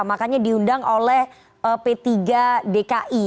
makanya diundang oleh p tiga dki